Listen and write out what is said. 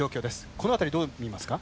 この辺りどう見ますか？